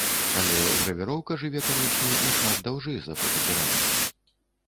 Але гравіроўка жыве, канечне, нашмат даўжэй за фотакераміку.